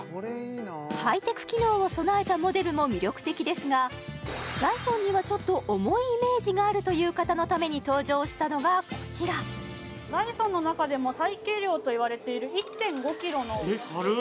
ハイテク機能を備えたモデルも魅力的ですがダイソンにはちょっと重いイメージがあるという方のために登場したのがこちらダイソンの中でも最軽量といわれている１．５ｋｇのえっ軽っ！